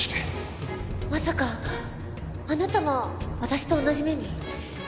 まさかあなたも私と同じ目に？